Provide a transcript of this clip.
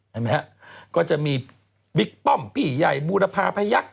เห็นไหมฮะก็จะมีบิ๊กป้อมพี่ใหญ่บูรพาพยักษ